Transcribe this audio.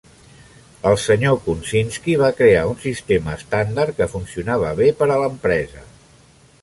El senyor Kunczynski va crear un sistema estàndard que funcionava bé per a l'empresa.